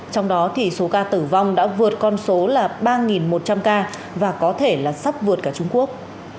trong đó số ca tử vong đã vượt con số ba một trăm linh ca và có thể sắp vượt cả trung quốc